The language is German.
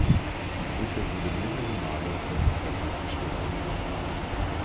Die Brücke wurde mehrere Male von Hochwassern zerstört.